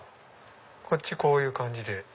こっちこういう感じで。